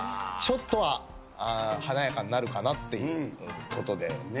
ちょっとは華やかになるかなっていうことで。